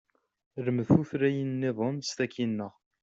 Lmed tutlayin nniḍen s tagi nneɣ!